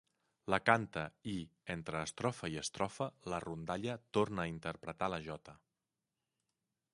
La canta i, entre estrofa i estrofa, la rondalla torna a interpretar la jota.